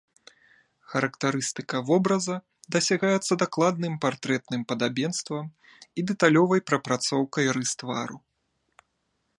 Характарыстыка вобраза дасягаецца дакладным партрэтным падабенствам і дэталёвай прапрацоўкай рыс твару.